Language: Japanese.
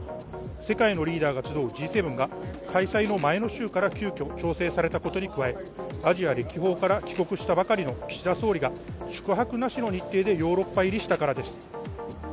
世界のリーダーが集うＧ７が前の週から急きょ調整されたことに加え、アジア歴訪から帰国したばかりの岸田総理が宿泊なしの日程でヨーロッパ入りしたからです。